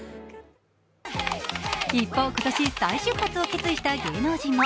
一方、今年再出発を決意した芸能人も。